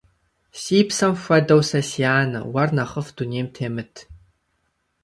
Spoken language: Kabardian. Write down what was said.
Си псэм хуэдэу сэ си анэ, уэр нэхъыфӀ дунейм темыт.